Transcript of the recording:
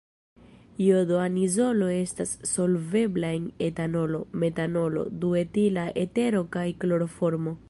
Jodo-anizolo estas solvebla en etanolo, metanolo, duetila etero kaj kloroformo.